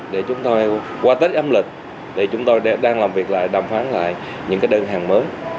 để chúng tôi qua tết âm lịch để chúng tôi đang làm việc lại đàm phán lại những cái đơn hàng mới